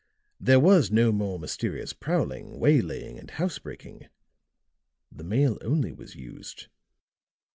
There was no more mysterious prowling, waylaying and housebreaking; the mail only was used.